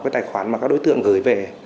cái tài khoản mà các đối tượng gửi về